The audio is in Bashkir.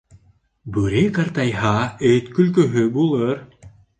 Бүре ҡартайһа, эт көлкөһө булыр.